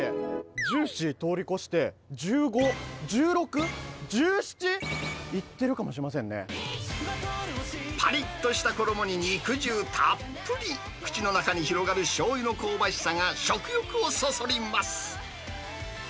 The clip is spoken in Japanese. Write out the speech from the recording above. ジューシー通り越して、１５、１６、ぱりっとした衣に肉汁たっぷり、口の中に広がるしょうゆの香ばしさが食欲をそそります。